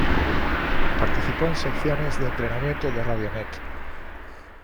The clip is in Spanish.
Participó en secciones de entretenimiento de Radio Net.